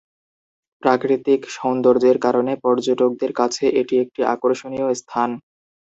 প্রাকৃতিক সৌন্দর্যের কারণে পর্যটকদের কাছে এটি একটি আকর্ষণীয় স্থান।